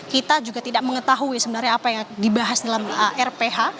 kita juga tidak mengetahui sebenarnya apa yang dibahas dalam rph